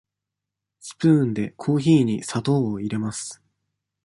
スプーンでコーヒーに砂糖を入れます。